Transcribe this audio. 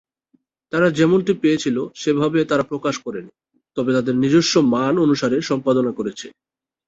তারা যেমনটি পেয়েছিল সেভাবে তারা প্রকাশ করেনি, তবে তাদের নিজস্ব মান অনুসারে সম্পাদনা করেছে।